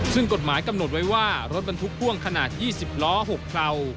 ซึ่งกฎหมายกำหนดไว้ว่ารถบรรทุกพ่วงขนาด๒๐ล้อ๖เคราว